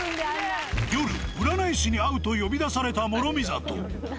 夜、占い師に会うと呼び出された諸見里。